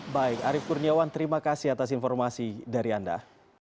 baik arief kurniawan terima kasih atas informasi dari anda